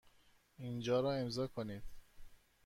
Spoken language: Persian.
اینجا را امضا کنید.